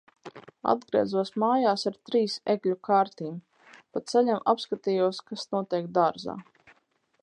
Atgriezos mājās ar trīs egļu kārtīm. Pa ceļam apskatījos, kas notiek dārzā.